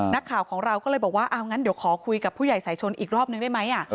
นักข่าวของเราก็เลยบอกว่าเอางั้นเดี๋ยวขอคุยกับผู้ใหญ่สายชนอีกรอบนึงได้ไหม